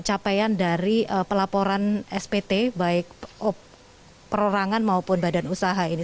capaian dari pelaporan spt baik perorangan maupun badan usaha ini